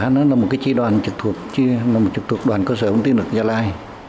tri đoàn điện lực chư pa là một tri đoàn trực thuộc đoàn cơ sở công ty điện lực gia lai